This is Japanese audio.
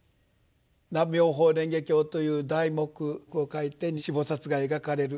「南無妙法蓮華経」という題目を書いて四菩薩が描かれる。